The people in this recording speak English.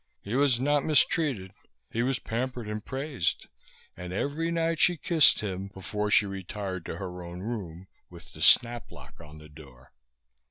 He was not mistreated. He was pampered and praised, and every night she kissed him before she retired to her own room with the snap lock on the door.